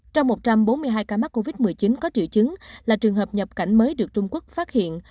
trong một trăm bốn mươi hai ca mắc covid một mươi chín có triệu chứng là trường hợp nhập cảnh mới được trung quốc phát hiện